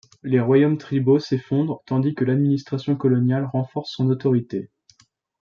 Les royaumes tribaux s'effondrent, tandis que l'administration coloniale renforce son autorité.